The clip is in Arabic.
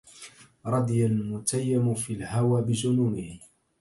رضي المتيم في الهوى بجنونه